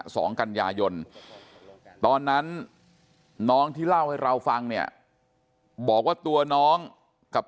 สองกันยายนตอนนั้นน้องที่เล่าให้เราฟังเนี่ยบอกว่าตัวน้องกับ